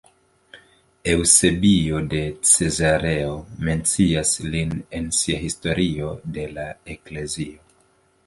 Eŭsebio de Cezareo mencias lin en sia Historio de la Eklezio.